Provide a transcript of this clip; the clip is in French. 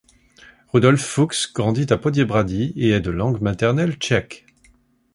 Rudolf Fuchs grandit à Poděbrady et est de langue maternelle tchèque.